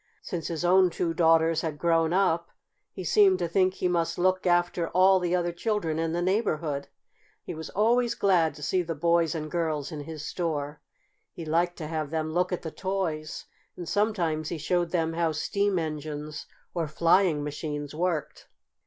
Since his own two daughters had grown up he seemed to think he must look after all the other children in his neighborhood. He was always glad to see the boys and girls in his store. He liked to have them look at the toys, and sometimes he showed them how steam engines or flying machines worked.